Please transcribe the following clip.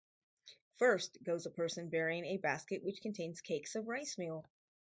First goes a person bearing a basket which contains cakes of rice-meal.